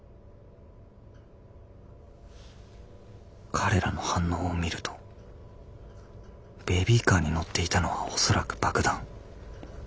彼らの反応を見るとベビーカーにのっていたのは恐らく爆弾。